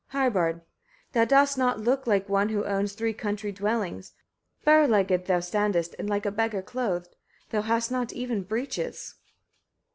Harbard. 6. Thou dost not look like one who owns three country dwellings, bare legged thou standest, and like a beggar clothed; thou hast not even breeches.